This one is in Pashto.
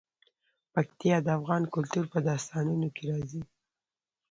پکتیا د افغان کلتور په داستانونو کې راځي.